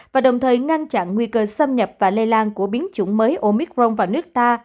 và đồng thời ngăn chặn nguy cơ xâm nhập và lây lan của biến chủng mới omicron vào nước ta